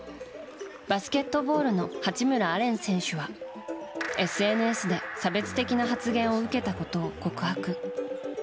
バスケットボールの八村亜蓮選手はＳＮＳで差別的な発言を受けたことを告白。